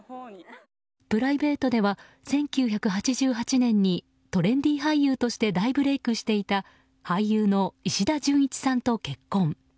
プライベートでは１９８８年にトレンディー俳優として大ブレークしていた俳優の石田純一さんと結婚。